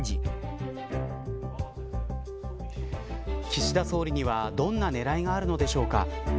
岸田総理にはどんな狙いがあるんでしょうか。